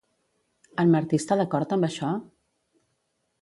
En Martí està d'acord amb això?